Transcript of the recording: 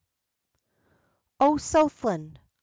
O Southland!